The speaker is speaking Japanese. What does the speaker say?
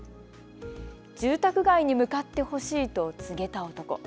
住宅街に向かってほしいと告げた男。